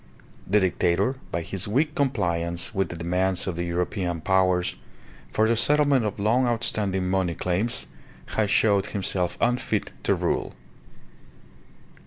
The Dictator, by his weak compliance with the demands of the European powers for the settlement of long outstanding money claims had showed himself unfit to rule.